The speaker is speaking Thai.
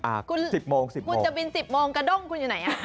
อ่า๑๐โมง๑๐โมงคุณจะบิน๑๐โมงกระด้งคุณอยู่ไหน